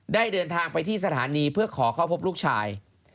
เดินทางไปที่สถานีเพื่อขอเข้าพบลูกชาย